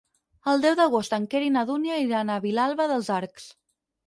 El deu d'agost en Quer i na Dúnia iran a Vilalba dels Arcs.